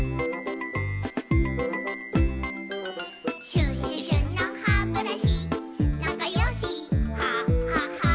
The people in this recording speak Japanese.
「シュシュシュのハブラシなかよしハハハ」